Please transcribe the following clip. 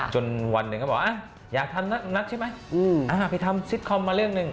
วันหนึ่งเขาบอกอยากทำนักใช่ไหมไปทำซิตคอมมาเรื่องหนึ่ง